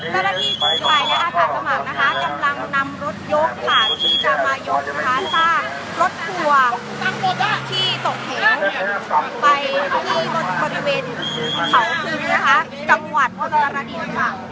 เจ้าหน้าที่กำลังนำรถยกผ่านที่จะมายกสร้างรถครัวที่ตกแถวไปที่บริเวณเขาคืนนี้นะคะจังหวัดอลาระดิน